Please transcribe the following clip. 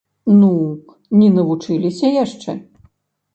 Ну, не навучыліся яшчэ.